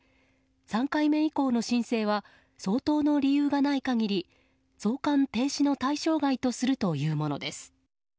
３回目以降の申請は相当の理由がない限り送還停止の対象外とするというものです。